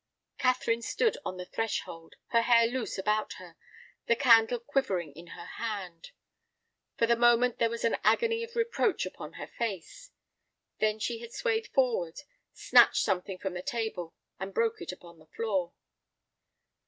Catherine stood on the threshold, her hair loose about her, the candle quivering in her hand. For the moment there was an agony of reproach upon her face. Then she had swayed forward, snatched something from the table, and broke it upon the floor.